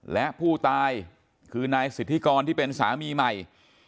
และผู้ตายคือนายสิทธิกรที่เป็นสามีใหม่